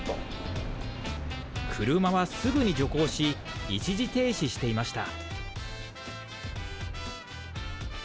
車はすぐに徐行し一時停止していました。